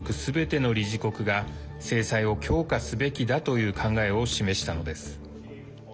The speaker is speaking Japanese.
２か国を除くすべての理事国が制裁を強化すべきだという考えを示したのです。